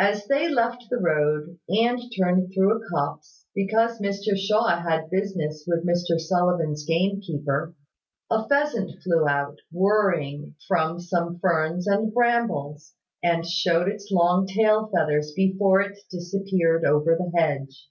As they left the road, and turned through a copse, because Mr Shaw had business with Mr Sullivan's gamekeeper, a pheasant flew out, whirring, from some ferns and brambles, and showed its long tail feathers before it disappeared over the hedge.